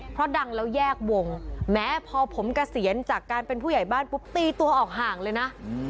เพราะดังแล้วแยกวงแม้พอผมเกษียณจากการเป็นผู้ใหญ่บ้านปุ๊บตีตัวออกห่างเลยนะ